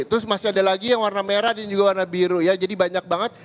terus masih ada lagi yang warna merah dan juga warna biru ya jadi banyak banget